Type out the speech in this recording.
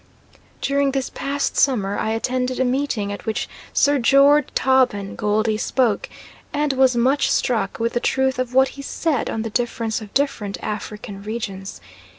During this past summer I attended a meeting at which Sir George Taubman Goldie spoke, and was much struck with the truth of what he said on the difference of different African regions.